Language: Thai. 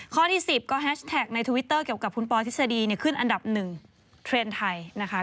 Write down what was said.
ข้อที่๑๐ก็แฮชแท็กในทวิตเตอร์เกี่ยวกับคุณปอทฤษฎีขึ้นอันดับ๑เทรนด์ไทยนะคะ